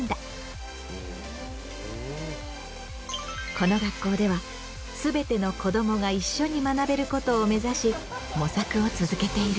この学校ではすべての子どもが一緒に学べることを目指し模索を続けている。